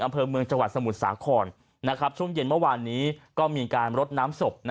อำเภอเมืองจังหวัดสมุทรสาครช่วงเย็นเมื่อวานนี้ก็มีการรดน้ำศพ